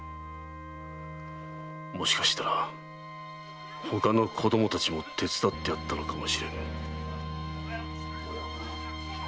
もしかしたら他の子供達も手伝ってやったのかもしれぬ